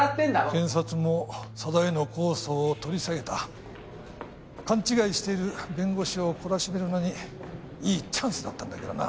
検察も佐田への公訴を取り下げた勘違いしている弁護士を懲らしめるのにいいチャンスだったんだけどな